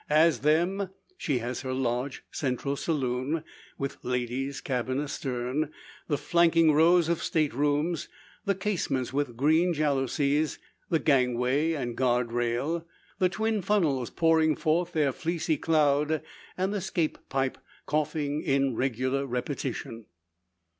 As them, she has her large central saloon, with ladies' cabin astern; the flanking rows of state rooms; the casements with green jalousies; the gangway and guard rail; the twin funnels, pouring forth their fleecy cloud, and the scape pipe, coughing in regular repetition.